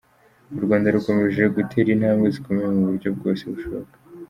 U Rwanda rukomeje gutera intambwe zikomeye mu buryo bwose bushoboka,”.